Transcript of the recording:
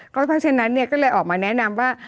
เพราะฉะนั้นก็เลยออกมาแนะนำว่า